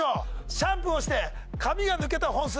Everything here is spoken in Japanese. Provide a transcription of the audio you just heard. シャンプーをして髪が抜けた本数。